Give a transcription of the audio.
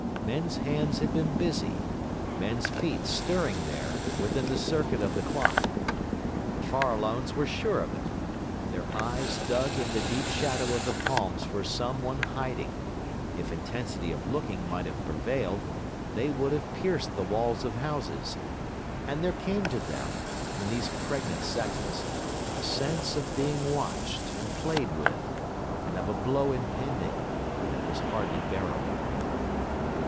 Men's hands had been busy, men's feet stirring there, within the circuit of the clock. The Farallones were sure of it; their eyes dug in the deep shadow of the palms for some one hiding; if intensity of looking might have prevailed, they would have pierced the walls of houses; and there came to them, in these pregnant seconds, a sense of being watched and played with, and of a blow impending, that was hardly bearable.